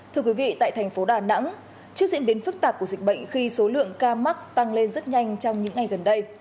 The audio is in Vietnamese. thưa quý vị tại thành phố đà nẵng trước diễn biến phức tạp của dịch bệnh khi số lượng ca mắc tăng lên rất nhanh trong những ngày gần đây